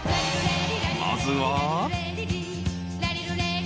［まずは］